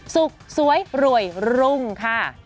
สุขสวยรวยรุ่งค่ะ